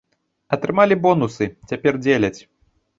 Атрымалі бонусы, цяпер дзеляць.